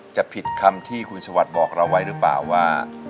จะผิดคำที่คุณสวัสดิ์บอกเราไว้หรือเปล่าว่า